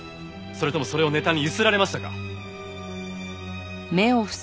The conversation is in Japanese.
それともそれをネタにゆすられましたか？